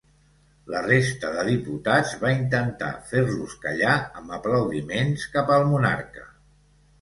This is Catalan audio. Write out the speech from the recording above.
La resta de diputats va intentar fer-los callar amb aplaudiments cap al monarca.